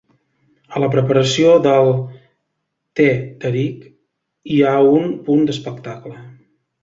A la preparació del "teh tarik" hi ha un punt d'espectacle.